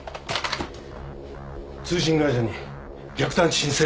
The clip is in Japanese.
通信会社に逆探知申請。